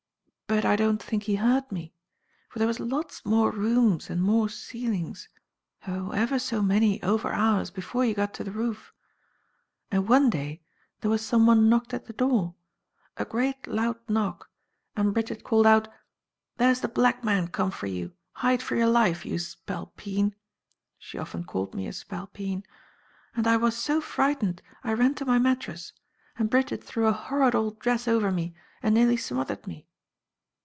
But I don't think He heard me, for there was lots more rooms and more ceilings; oh, ever so many over ours before you got to the roof. And one day there was someone knocked at the door; a great loud knock, and Bridget called out,' 'There's the black man come for you ; hide for your life, you spal peen* — she often called me a spalpeen — and I was so frightened, I ran to my mattress, and Bridget threw a horrid old dress over me and nearly Digitized by Google 296 THE FATE OF FENELLA, smothered me.